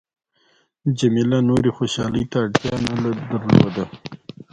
جميله نورې خوشحالۍ ته اړتیا نه درلوده.